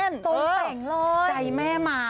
ตรงแต่งเลยใจแม่มา